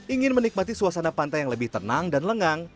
ingin menikmati suasana pantai yang lebih tenang dan lengang